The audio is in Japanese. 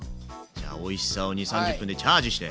じゃあおいしさを２０３０分でチャージして。